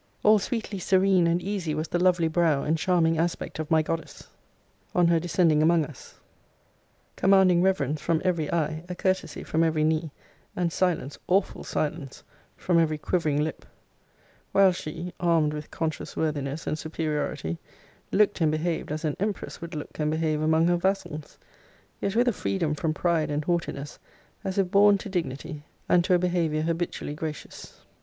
All sweetly serene and easy was the lovely brow and charming aspect of my goddess, on her descending among us; commanding reverence from every eye, a courtesy from every knee, and silence, awful silence, from every quivering lip: while she, armed with conscious worthiness and superiority, looked and behaved as an empress would look and behave among her vassals; yet with a freedom from pride and haughtiness, as if born to dignity, and to a behaviour habitually gracious.